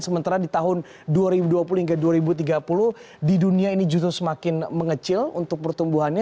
sementara di tahun dua ribu dua puluh hingga dua ribu tiga puluh di dunia ini justru semakin mengecil untuk pertumbuhannya